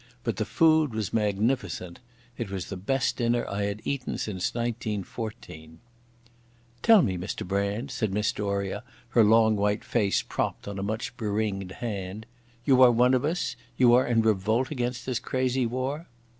But the food was magnificent. It was the best dinner I had eaten since 1914. "Tell me, Mr Brand," said Miss Doria, her long white face propped on a much beringed hand. "You are one of us? You are in revolt against this crazy war?"